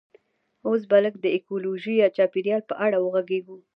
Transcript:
اوس به لږ د ایکولوژي یا چاپیریال په اړه وغږیږو